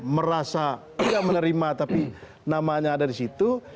merasa tidak menerima tapi namanya ada di situ